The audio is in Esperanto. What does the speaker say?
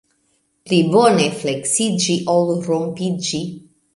Pli bone fleksiĝi, ol rompiĝi.